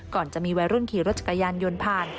ก่อนจะมีวัยรุ่นขี่รถจักรยานยนต์ผ่าน